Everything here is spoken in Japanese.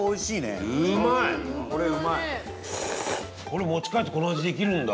飯尾：これ、持ち帰ってこの味できるんだ。